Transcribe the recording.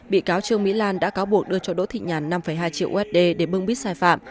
bị cáo trương mỹ lan đã cáo buộc đưa cho đỗ thị nhàn năm hai triệu usd để bưng bít sai phạm